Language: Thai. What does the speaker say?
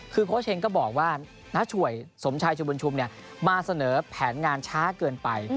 คือโครตเชงก็บอกว่านักช่วยสมชายฉุบวัญชุมเนี่ยมาเสนอแผนงานช้าเกินไป